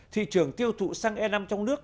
thị trường tiêu thụ xăng e năm trong nước